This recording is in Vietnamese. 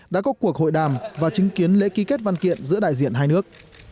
đã có cuộc hội đàm và chứng kiến lễ ký kết văn kiện giữa đại diện hai nước